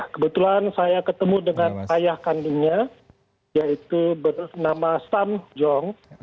kebetulan saya ketemu dengan ayah kandungnya yaitu bernama sam jong